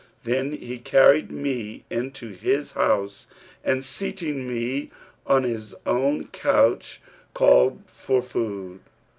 Then he carried me into his house and, seating me on his own couch, called for food.